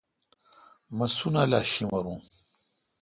مہ سنالا شیمرون۔